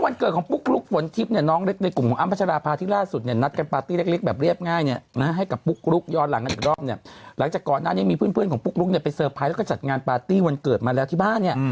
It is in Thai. วันเกิดของปุ๊กรุกฝนทิพย์เนี่ย